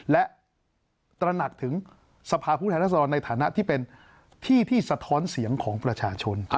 และตระหนักถึงสภาพผู้แทนรัศดรในฐานะที่เป็นที่ที่สะท้อนเสียงของประชาชน